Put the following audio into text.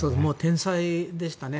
天才でしたね。